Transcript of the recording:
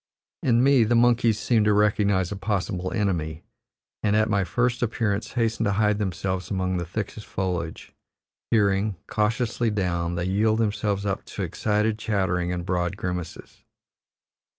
In me the monkeys seem to recognize a possible enemy, and at my first appearance hasten to hide themselves among the thickest foliage; peering; cautiously down, they yield themselves up to excited chattering and broad grimaces.